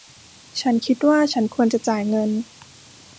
ฉันคิดว่าฉันควรจะจ่ายเงิน